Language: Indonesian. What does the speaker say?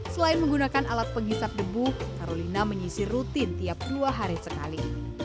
selain menggunakan alat penghisap debu sarulina menyisi rutin tiap dua hari sekali